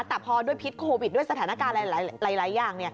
แต่พอด้วยพิษโควิดด้วยสถานการณ์หลายอย่าง